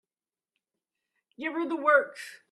Give her the works.